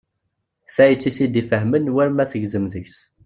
Tayet i t-id-ifahmen war ma tegzem deg-s.